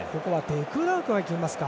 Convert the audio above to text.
デクラークが蹴りますか。